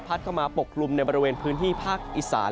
เข้ามาปกกลุ่มในบริเวณพื้นที่ภาคอีสาน